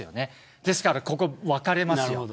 ですからここは分かれます。